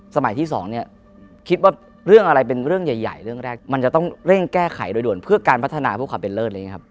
ที่สองเนี่ยคิดว่าเรื่องอะไรเป็นเรื่องใหญ่เรื่องแรกมันจะต้องเร่งแก้ไขโดยด่วนเพื่อการพัฒนาเพื่อความเป็นเลิศอะไรอย่างนี้ครับ